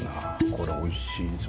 これおいしいです